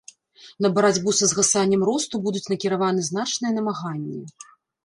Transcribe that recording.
На барацьбу са згасаннем росту будуць накіраваны значныя намаганні.